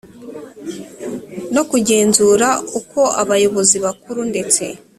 no kugenzura uko abayobozi bakuru ndetse